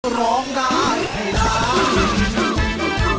เพื่อร้องได้ให้ร้อง